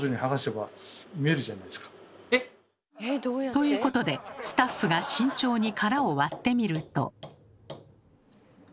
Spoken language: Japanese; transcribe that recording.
ということでスタッフが慎重に殻を割ってみると。